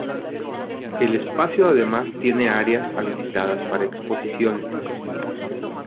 El espacio además tiene áreas habilitadas para exposiciones.